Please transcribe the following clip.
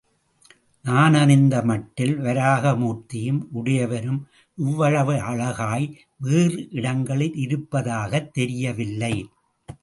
நானறிந்த மட்டில் வராக மூர்த்தியும் உடையவரும் இவ்வளவு அழகாய் வேறிடங்களில் இருப்பதாகத் தெரியவில்லை.